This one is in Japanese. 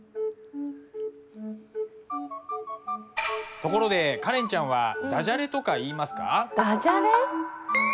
ところでカレンちゃんはだじゃれとか言いますか？